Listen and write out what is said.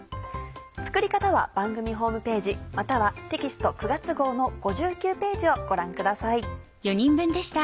作り方は番組ホームページまたはテキスト９月号の５９ページをご覧ください。